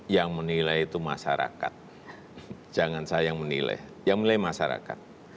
yang menilai itu masyarakat jangan saya yang menilai yang menilai masyarakat